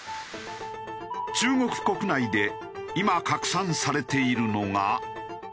中国国内で今拡散されているのが。